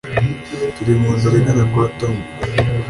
Turi mu nzira igana kwa Tom